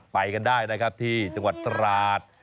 ไปกันได้นะครับที่จังหวัดตราด